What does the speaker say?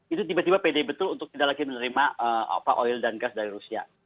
itu tiba tiba pede betul untuk tidak lagi menerima oil dan gas dari rusia